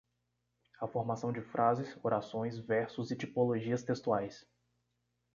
A formação de frases, orações, versos e tipologias textuais